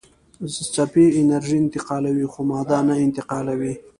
څپې انرژي انتقالوي خو ماده نه انتقالوي.